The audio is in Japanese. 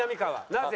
なぜ？